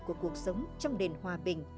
của cuộc sống trong nền hòa bình